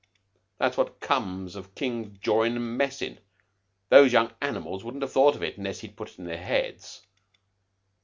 "That's what comes of King's jawin' and messin'. Those young animals wouldn't have thought of it unless he'd put it into their heads.